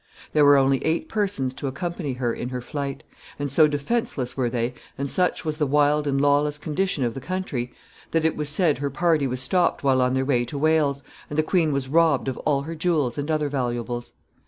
There were only eight persons to accompany her in her flight, and so defenseless were they, and such was the wild and lawless condition of the country, that it was said her party was stopped while on their way to Wales, and the queen was robbed of all her jewels and other valuables.